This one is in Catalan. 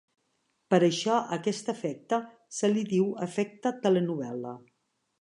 Per això a aquest efecte se li diu efecte telenovel·la.